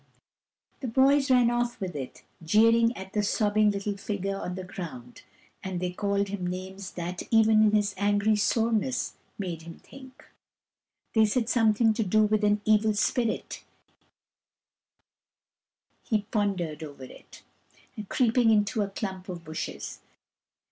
The boys ran off with it, jeering at the sobbing little figure on the ground ; and they called him names that, even in his angry soreness, made him think. They said something to do with an evil spirit — he pondered over it, creeping into a clump of bushes.